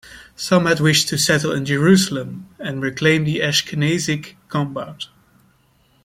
Some had wished to settle in Jerusalem and reclaim the Ashkenazic Compound.